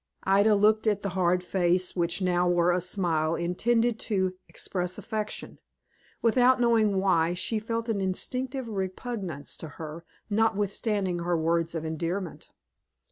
Ida looked at the hard face, which now wore a smile intended to express affection. Without knowing why, she felt an instinctive repugnance to her, notwithstanding her words of endearment.